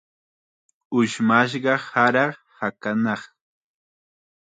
Ushmashqa sara hakanaq.